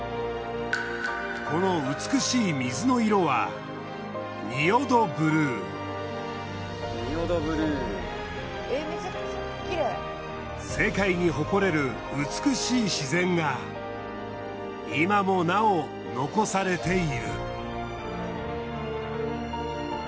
この美しい水の色は世界に誇れる美しい自然が今もなお残されている。